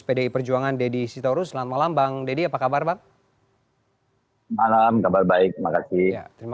pdi perjuangan deddy sitoru selama lambang dedy apa kabar bang hai malam kabar baik makasih terima